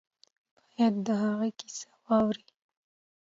باید د هغه کیسه واوري.